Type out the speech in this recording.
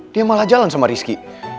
dia malah jalan sama rizky